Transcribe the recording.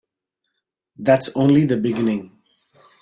That's only the beginning.